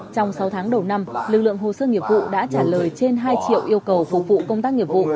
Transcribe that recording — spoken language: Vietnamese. trong sáu tháng đầu năm lực lượng hồ sơ nghiệp vụ đã trả lời trên hai triệu yêu cầu phục vụ công tác nghiệp vụ